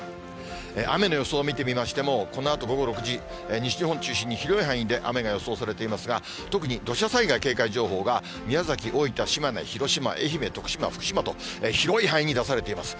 雨の予想を見てみましても、このあと午後６時、西日本中心に広い範囲で雨が予想されていますが、特に土砂災害警戒情報が、宮崎、大分、島根、広島、愛媛、徳島、福島と広い範囲に出されています。